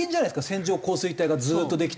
線状降水帯がずっとできて。